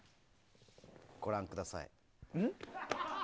ご覧ください。